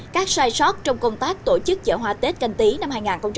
các sai sót trong công tác tổ chức chợ hoa tết canh tí năm hai nghìn hai mươi